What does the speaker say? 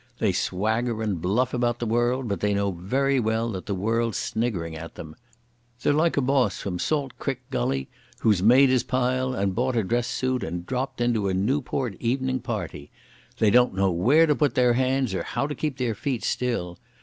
They swagger and bluff about the world, but they know very well that the world's sniggering at them. They're like a boss from Salt Creek Gully who's made his pile and bought a dress suit and dropped into a Newport evening party. They don't know where to put their hands or how to keep their feet still....